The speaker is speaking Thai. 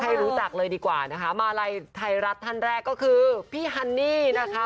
ให้รู้จักเลยดีกว่านะคะมาลัยไทยรัฐท่านแรกก็คือพี่ฮันนี่นะคะ